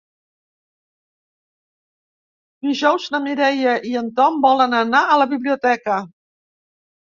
Dijous na Mireia i en Tom volen anar a la biblioteca.